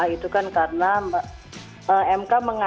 itu kan karena mk mengatakan